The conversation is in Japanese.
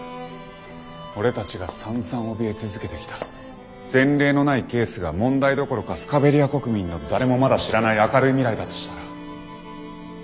俺たちがさんざんおびえ続けてきた前例のないケースが問題どころかスカベリア国民の誰もまだ知らない明るい未来だとしたら？